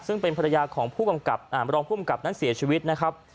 ซึ่งเป็นภรรยาของผู้กำกับรองผู้กำกับนั้นเสียชีวิตนะครับ